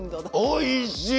おいしい！